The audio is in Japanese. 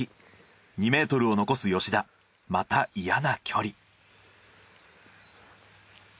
２ｍを残す吉田また嫌な距離。